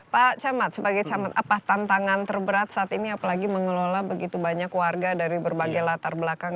pak camat sebagai camat apa tantangan terberat saat ini apalagi mengelola begitu banyak warga dari berbagai latar belakang